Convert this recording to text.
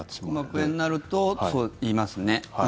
腹膜炎になるとそう言いますね。